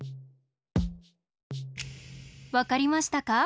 わかりましたか？